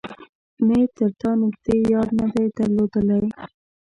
مې تر تا نږدې يار نه دی درلودلی.